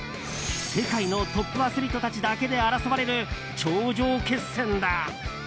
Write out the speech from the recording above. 世界のトップアスリートたちだけで争われる頂上決戦だ。